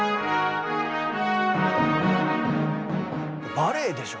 バレエでしょ？